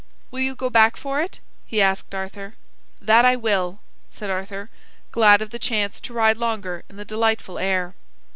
"Will you go back for it?" he asked Arthur. "That I will," said Arthur, glad of the chance to ride longer in the delightful air.